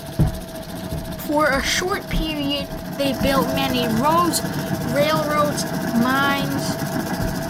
For a short period they built many roads, railroads, mines...